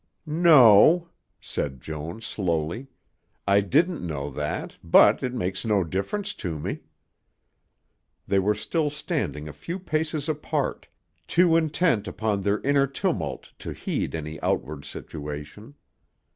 "No," said Joan slowly, "I didn't know that But it makes no difference to me." They were still standing a few paces apart, too intent upon their inner tumult to heed any outward situation.